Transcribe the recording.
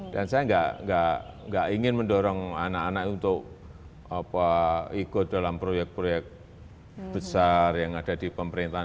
dan saya gak ingin mendorong anak anak untuk ikut dalam proyek proyek besar yang ada di pemerintahan